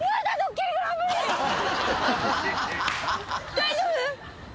大丈夫！？